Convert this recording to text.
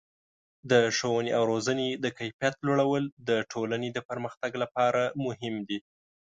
د ښوونې او روزنې د کیفیت لوړول د ټولنې د پرمختګ لپاره مهم دي.